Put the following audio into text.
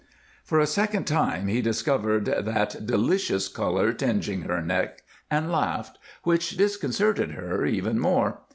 For a second time he discovered that delicious color tingeing her neck and laughed, which disconcerted her even more.